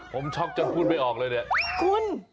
ผมช็อกจนพูดไม่ออกเลยเนี่ยคุณ